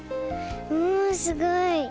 うんすごい。